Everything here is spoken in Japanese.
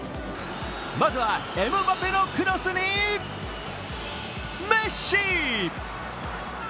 まずはエムバペのクロスにメッシ！